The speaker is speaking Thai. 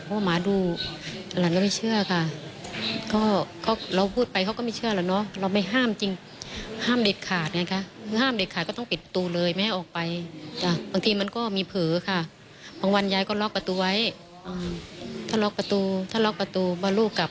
ฟังเสียงคุณยายหน่อยค่ะ